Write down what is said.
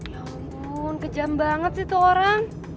ya ampun kejam banget sih tuh orang